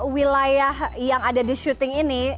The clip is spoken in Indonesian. wilayah yang ada di syuting ini